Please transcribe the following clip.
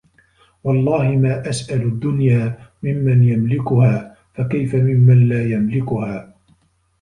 وَاَللَّهِ مَا أَسْأَلُ الدُّنْيَا مِمَّنْ يَمْلِكُهَا فَكَيْفَ مِمَّنْ لَا يَمْلِكُهَا